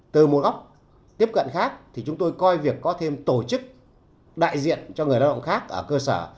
từ một góc tiếp cận khác thì chúng tôi coi việc có thêm tổ chức đại diện cho người lao động khác ở cơ sở